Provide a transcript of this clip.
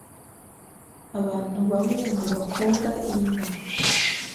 Abantu bamwe ntibakunda imbwa.